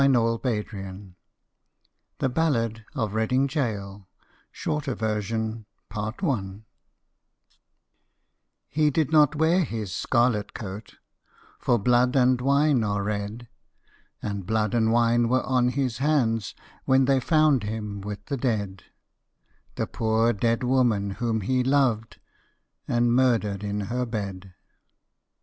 APPENDIX THE BALLAD OF READING GAOL A VERSION BASED ON THE ORIGINAL DRAFT OF THE POEM I HE did not wear his scarlet coat, For blood and wine are red, And blood and wine were on his hands When they found him with the dead, The poor dead woman whom he loved, And murdered in her bed.